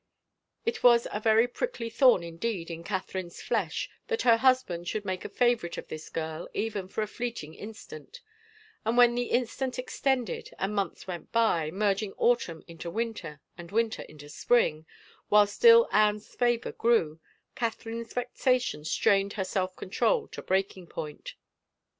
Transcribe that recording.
It was a very prickly thorn indeed in Catherine's flesh that her husband should make a favorite of this girl even for a fleeting instant, and when the instant extended and months went by, merging autumn into winter and winter into spring, while still Anne's favor grew, Catherine's vexation strained her self control to breaking point.